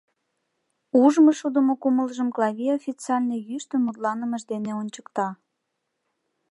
Ужмышудымо кумылжым Клавий официально йӱштын мутланымыж дене ончыкта: